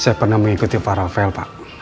saya pernah mengikuti parafel pak